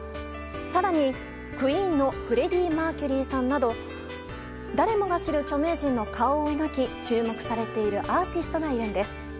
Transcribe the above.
更に、クイーンのフレディ・マーキュリーさんなど誰もが知る著名人の顔を描き注目されているアーティストがいるんです。